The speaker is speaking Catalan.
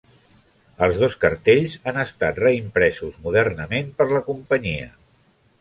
Els dos cartells han estat reimpresos modernament per la companyia.